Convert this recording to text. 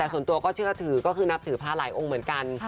แต่ส่วนตัวก็เชื่อถือก็คือนับถือพระหลายองค์เหมือนกัน